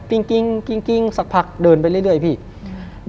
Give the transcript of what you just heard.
กลิ้งกลิ้งกลิ้งกลิ้งสักพักเดินไปเรื่อยเรื่อยพี่อืม